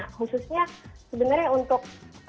khususnya sebenarnya untuk